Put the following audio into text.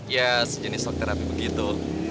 ya sejenis stok terapi begitu